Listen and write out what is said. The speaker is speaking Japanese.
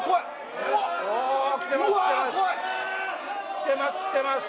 きてます